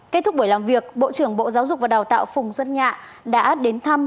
kết thúc buổi làm việc bộ trưởng bộ giáo dục và đào tạo phùng xuân nhạ đã đến thăm